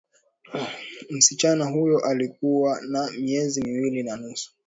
msichana huyo alikuwa na miezi miwili na nusu